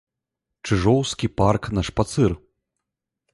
Чыжоўскі парк на шпацыр.